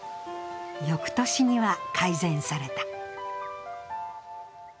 翌年には改善された。